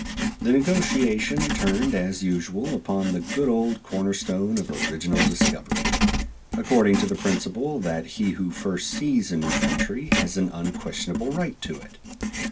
The negotiation turned as usual upon the good old corner stone of original discovery; according to the principle that he who first sees a new country has an unquestionable right to it.